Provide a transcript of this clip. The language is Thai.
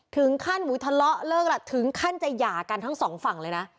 ถึงขั้นหูทะเลาะเลิกล่ะถึงขั้นจะหย่ากันทั้งสองฝั่งเลยนะ